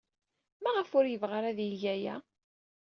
Maɣef ur yebɣi ara ad yeg aya?